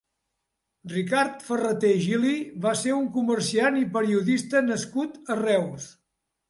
Ricard Ferraté Gili va ser un comerciant i periodista nascut a Reus.